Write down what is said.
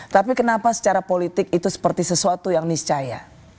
tapi kenapa secara politik itu seperti sesuatu yang niscaya